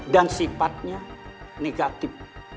dan sifatnya negatif